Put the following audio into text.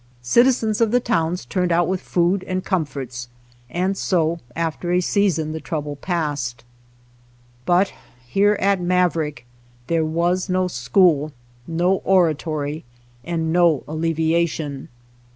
Citizens of the towns turned out with food and comforts, and so after a season the trouble passed. But here at Maverick there was no school, no oratory, and no alleviation.